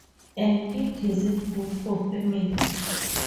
And it isn't good for families.